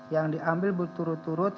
yang diambil berturut turut